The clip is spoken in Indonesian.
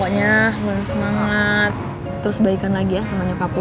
pokoknya lu harus semangat terus baikan lagi ya sama nyokap lo